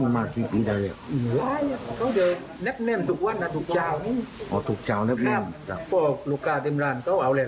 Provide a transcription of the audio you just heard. ไปเซอร์ฟได้เลยก็เป็นเรื่องจริงเลย